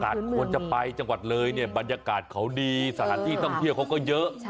ควรจะไปจังหวัดเลยเนี่ยบรรยากาศเขาดีสถานที่ท่องเที่ยวเขาก็เยอะ